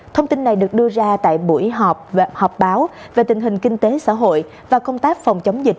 thông tin này được đưa ra tại buổi họp báo về tình hình kinh tế xã hội và công tác phòng chống dịch